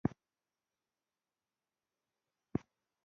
نو بل کلی یې هم ونیو.